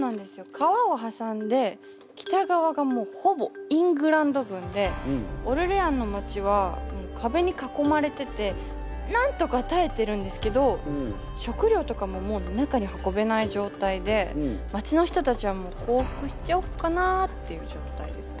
川を挟んで北側がもうほぼイングランド軍でオルレアンの街はもう壁に囲まれててなんとか耐えてるんですけど食料とかももう中に運べない状態で街の人たちはもう降伏しちゃおっかなっていう状態ですね。